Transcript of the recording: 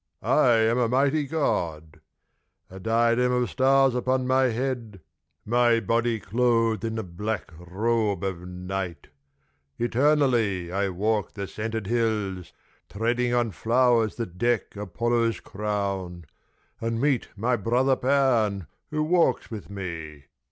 I am a mighty God. A diadem of stars upon my head, My body cloth'd in the black robe of Night, Eternally I walk the scented hills, Treading on flowers that deck Apollo's crown, And meet my brother Pan who walks with me.